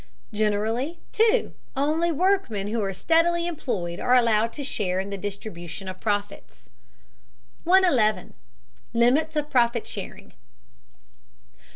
Generally, too, only workmen who are steadily employed are allowed to share in the distribution of profits. 111. LIMITS OF PROFIT SHARING.